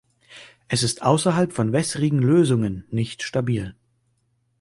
Es ist außerhalb von wässrigen Lösungen nicht stabil.